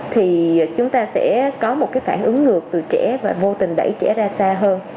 thì chúng ta sẽ có một cái phản ứng ngược từ trẻ và vô tình đẩy trẻ ra xa hơn